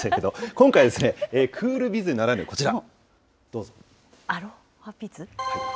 今回ですね、クールビズならぬこちら、どうぞ。